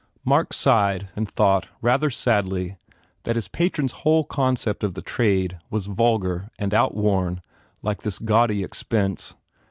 Mark sighed and thought, rather sadly, that his patron s whole concept of the trade was vulgar and outworn like this gaudy expense.